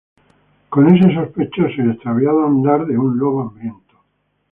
Con ese sospechoso y extraviado andar de un lobo hambriento.